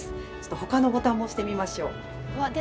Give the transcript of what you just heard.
他のボタンも押してみましょう。